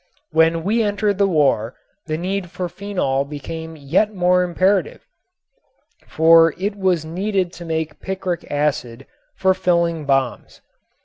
When we entered the war the need for phenol became yet more imperative, for it was needed to make picric acid for filling bombs.